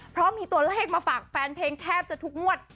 เพราะมีตัวเลขมาฝากแฟนเพลงแทบจะทุกงวด